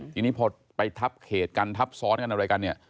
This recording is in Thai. ทีนี้พอไปทับเขตกันทับซ้อนกันอะไรกันเนี่ย